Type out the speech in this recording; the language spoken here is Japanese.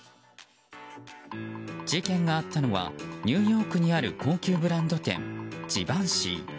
事件があったのはニューヨークにある高級ブランド店、ジバンシィ。